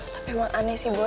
tapi emang aneh sih bu